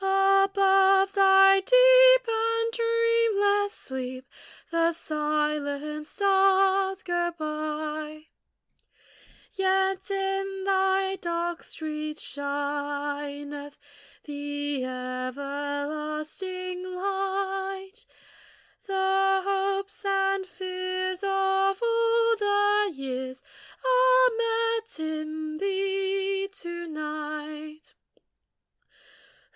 Above thy deep and dreamless sleep The silent stars go by; Yet in thy dark streets shineth The everlasting Lighl ; The hopes and fears of all the years Are met in thee to night.